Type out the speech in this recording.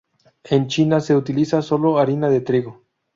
En China se utiliza sólo harina de trigo.